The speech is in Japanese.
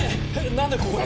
何でここに？